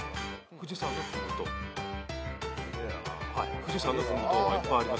富士山の麓はいっぱいありますよ。